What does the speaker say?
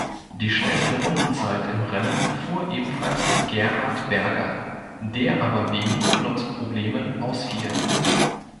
Die schnellste Rundenzeit im Rennen fuhr ebenfalls Gerhard Berger, der aber wegen Kupplungs-Problemen ausfiel.